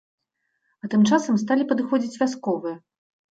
А тым часам сталі падыходзіць вясковыя.